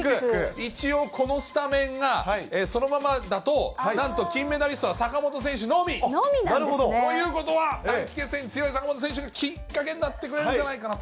一応このスタメンが、そのままだと、なんと金メダリストが、坂本選手のみ。ということは、短期決戦に強い坂本選手にきっかけになってくれるんじゃないかと。